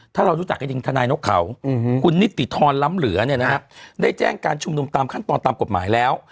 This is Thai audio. ถ้าเรารู้จักกันจริงทนายนกเขาคุณนิติธรล้ำเหลือได้แจ้งการชุมนุมตามขั้นตอนตามกฎหมายแล้ว